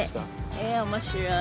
え面白い。